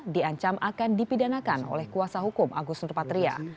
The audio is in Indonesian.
diancam akan dipidanakan oleh kuasa hukum agus nurpatria